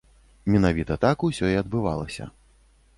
Менавіта так усё і адбывалася.